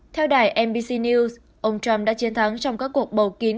theo đài mbc news ông trump đã chiến thắng trong các cuộc bầu kín